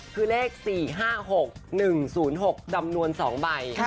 คือเลข๔๕๖๑๐๖จำนวน๒ใบ